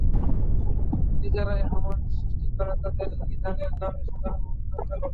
নিজেরাই হামাস সৃষ্টি করে তাদের নিধনের নামে সাধারণ মানুষকে হত্যা করছে।